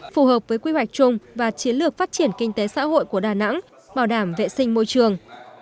phù hợp với quy hoạch chung và chiến lược phát triển kinh tế xã hội của đà nẵng bảo đảm vệ sinh môi trường